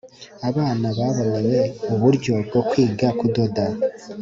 Abana babonewe uburyo bwo kwiga kudoda